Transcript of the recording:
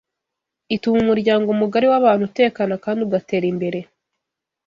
ituma umuryango mugari w’abantu utekana kandi ugatera imbere